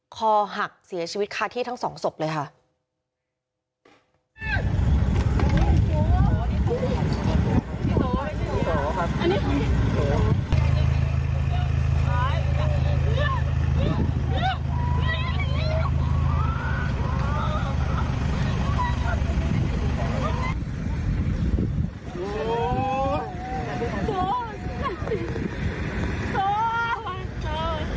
คอหักเสียชีวิตคาที่ทั้งสองศพเลยค่ะ